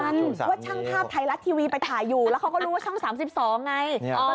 เขารู้ว่าช่างภาพไทยรัททีวีไปถ่ายอยู่เขาก็รู้ว่าช่างแบบ๓๒ไง